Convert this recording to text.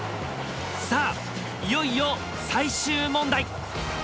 さあいよいよ最終問題！